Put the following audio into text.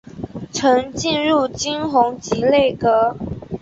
曾进入金弘集内阁。